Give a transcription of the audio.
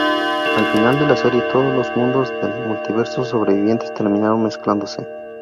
Al final de la serie, todos los mundos del multiverso sobrevivientes terminaron mezclándose.